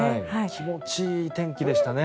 気持ちいい天気でしたね。